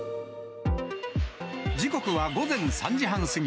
時刻は午前３時半過ぎ。